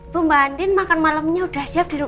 bu mbak andien makan malamnya udah siap di